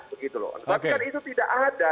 begitu loh tapi kan itu tidak ada